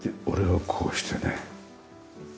俺はこうしてね。